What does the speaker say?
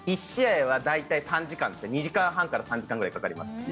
１試合は大体２時間半から３時間ぐらいかかります。